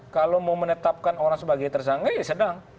kalau mau menetapkan orang sebagai tersangka ya sedang